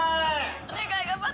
お願い頑張って。